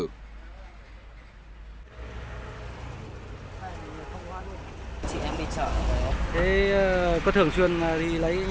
có thường xuyên đi lấy kiểu như thế này không